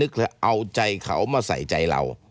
เอาใจเขามาใส่ใจเรา